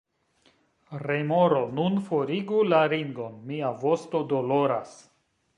Remoro: "Nun forigu la ringon. Mia vosto doloras!"